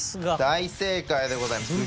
大正解でございます。